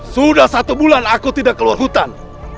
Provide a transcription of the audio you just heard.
sudah satu bulan aku tidak keluar hutan